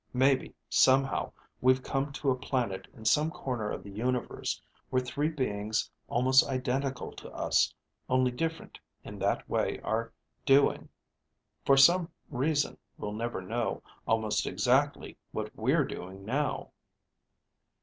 Maybe, somehow, we've come to a planet in some corner of the universe, where three beings almost identical to us, only different in that way, are doing, for some reason we'll never know, almost exactly what we're doing now."